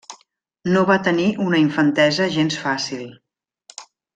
No va tenir una infantesa gens fàcil.